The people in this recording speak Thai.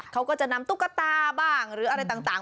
เขาก็จะนำตุ๊กตาบ้างหรืออะไรต่าง